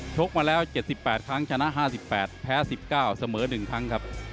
กมาแล้ว๗๘ครั้งชนะ๕๘แพ้๑๙เสมอ๑ครั้งครับ